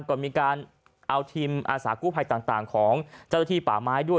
ก็มีการเอาทีมอาสากู้ภัยต่างของเจ้าหน้าที่ป่าไม้ด้วย